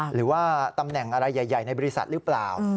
หรือว่าตำแหน่งอะไรใหญ่ในบริษัทหรือเปล่า